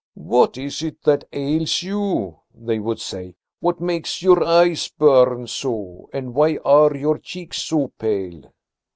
"What is it that ails you?" they would say. "What makes your eyes burn so, and why are your cheeks so pale?"